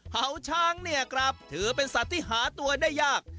เผาช้างเนี่ยครับถือเป็นสัตว์ที่หาตัวได้ยาก